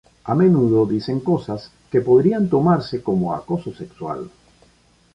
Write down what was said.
A menudo dice cosas que podrían tomarse como acoso sexual.